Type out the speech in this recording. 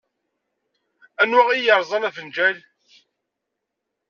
Anwa i yerẓan afenǧal?